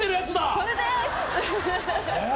それです！